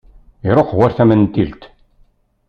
Iruḥ war tamentilt.